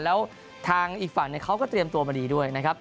แล้วทางอีกฝั่งเขาก็เตรียมตัวมาดีด้วยนะครับ